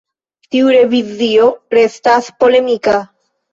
Tiu revizio restas polemika.